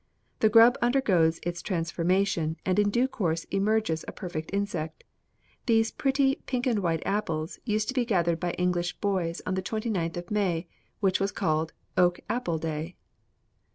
The grub undergoes its transformation, and in due course emerges a perfect insect. These pretty pink and white apples used to be gathered by English boys on the twenty ninth of May, which was called 'Oak Apple Day.'"